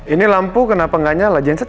ini lampu kenapa gak nyala felipe